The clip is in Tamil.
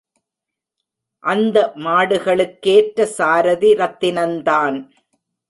அந்த மாடுகளுக்கேற்ற சாரதி ரத்தினந்தான்.